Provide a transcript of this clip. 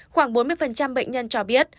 khoảng bốn mươi bệnh nhân cho biết